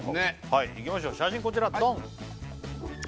はいいきましょう写真こちらドン！